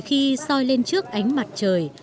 để khi soi lên trước ánh mặt trời